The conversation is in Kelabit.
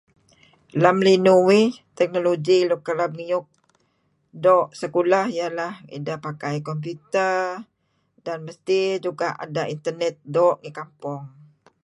Lem linuh uih, teknologi nuk kereb ngiyuk doo' sekolah iyeh lah ideh pakai computer dan mesti juga' ada internet doo' ngi kampong.